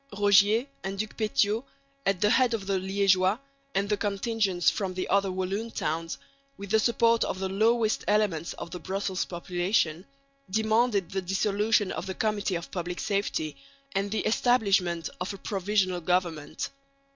Rogier and Ducpétiaux, at the head of the Liègeois and the contingents from the other Walloon towns, with the support of the lowest elements of the Brussels population, demanded the dissolution of the Committee of Public Safety and the establishment of a Provisional Government.